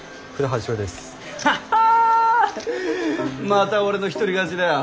また俺の一人勝ちだよ。